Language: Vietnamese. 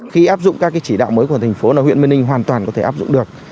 khi áp dụng các chỉ đạo mới của thành phố là huyện mê linh hoàn toàn có thể áp dụng được